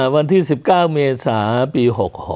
วันที่๑๙เมษาปี๖๖